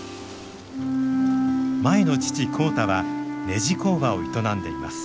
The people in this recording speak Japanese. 舞の父浩太はねじ工場を営んでいます。